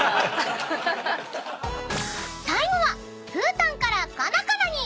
［最後はふうたんからカナカナに］